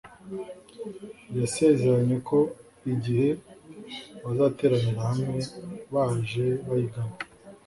yasezeranye ko igihe bazateranira hamwe baje bayigana